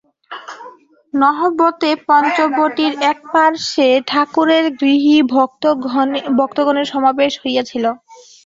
নহবতেপঞ্চবটীর একপার্শ্বে ঠাকুরের গৃহী ভক্তগণের সমাবেশ হইয়াছিল।